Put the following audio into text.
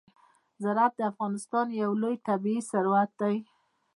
زراعت د افغانستان یو لوی طبعي ثروت دی.